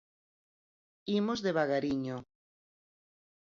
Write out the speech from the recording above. Imos devagariño.